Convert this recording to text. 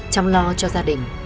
trong lo cho gia đình